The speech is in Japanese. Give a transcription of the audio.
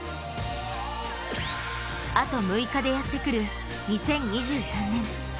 あと６日でやってくる２０２３年。